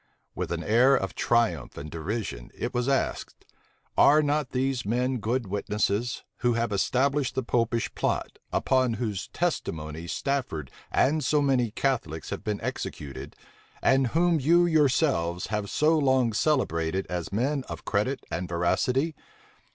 With an air of triumph and derision, it was asked, "Are not these men good witnesses, who have established the Popish plot, upon whose testimony Stafford and so many Catholics have been executed, and whom you yourselves have so long celebrated as men of credit and veracity?